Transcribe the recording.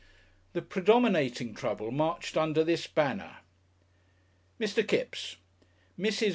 The predominating trouble marched under this banner: MR. KIPPS MRS.